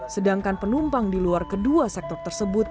sedangkan penumpang di luar kedua sektor tersebut